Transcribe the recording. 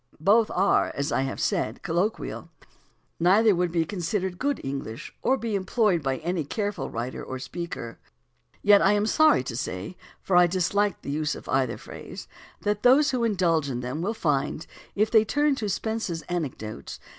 Both are, as I have said, colloquial; neither would be considered good English or be employed by any careful writer or speaker. Yet I am sorry to say, for I dislike the use of either phrase, that those who indulge in them will find, if they turn to Spence's Anecdotes (p.